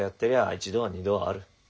一度や二度はある。